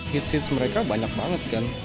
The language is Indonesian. hitseeds mereka banyak banget kan